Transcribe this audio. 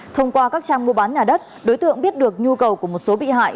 thông qua các trang mua bán nhà đất đối tượng biết được nhu cầu của một số bị hại